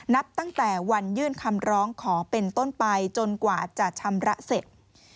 นับตั้งแต่วันยื่นคำร้องขอเป็นต้นไปจนกว่าจะชำระเสร็จ